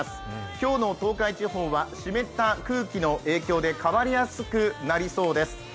今日の東海地方は湿った空気の影響で変わりやすくなりそうです。